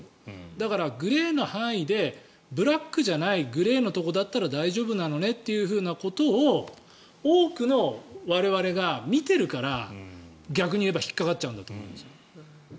だから、グレーの範囲でブラックじゃないグレーのところだったら大丈夫なのねということを多くの我々が見てるから逆に言えば引っかかっちゃうんだと思います。